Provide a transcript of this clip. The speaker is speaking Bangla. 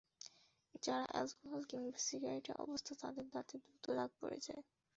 যাঁরা অ্যালকোহল কিংবা সিগারেটে অভ্যস্ত, তাঁদের দাঁতে দ্রুত দাগ পড়ে যায়।